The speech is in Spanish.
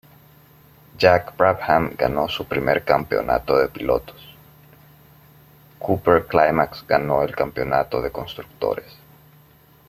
Jack Brabham ganó su primer Campeonato de Pilotos; Cooper-Climax ganó el Campeonato de Constructores.